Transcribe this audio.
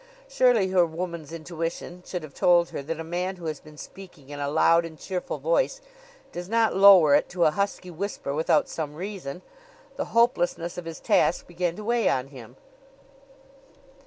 Surely her woman's intuition should have told her that a man who has been speaking in a loud and cheerful voice does not lower it to a husky whisper without some reason. The hopelessness of his task began to weigh on him.